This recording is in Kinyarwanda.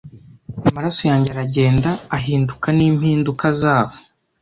Amaraso yanjye aragenda ahinduka nimpinduka zabo?